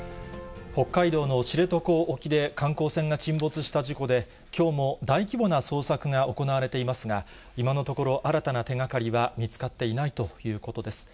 北海道の知床沖で観光船が沈没した事故で、きょうも大規模な捜索が行われていますが、今のところ、新たな手がかりは見つかっていないということです。